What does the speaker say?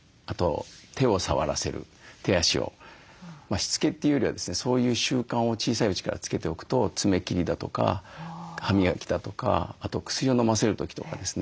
しつけというよりはですねそういう習慣を小さいうちからつけておくと爪切りだとか歯磨きだとかあと薬をのませる時とかですね